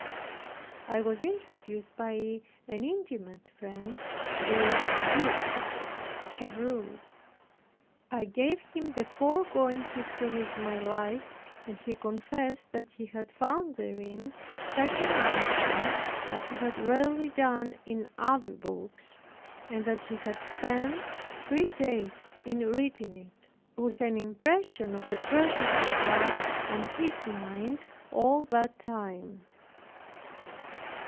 I was introduced by an intimate friend, the Duke of Chevreuse. I gave him the foregoing history of my life, and he confessed, that he had found therein such an unction as he had rarely done in other books, and that he had spent three days in reading it, with an impression of the presence of God on his mind all that time.